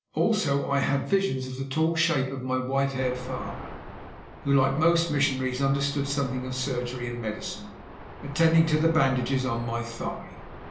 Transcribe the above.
Also I had visions of the tall shape of my white haired father, who, like most missionaries, understood something of surgery and medicine, attending to the bandages on my thigh.